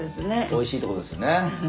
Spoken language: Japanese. おいしいってことですよね。